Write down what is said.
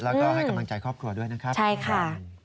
แล้วก็ให้กำลังใจครอบครัวด้วยนะครับใช่ค่ะ